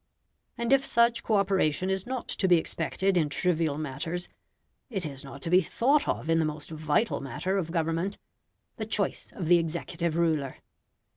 And if such co operation is not to be expected in trivial matters, it is not to be thought of in the most vital matter of government the choice of the executive ruler.